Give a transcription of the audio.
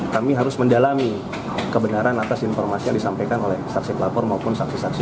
kami harus mendalami kebenaran atas informasi yang disampaikan oleh saksi pelapor maupun saksi saksi